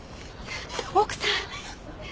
奥さん！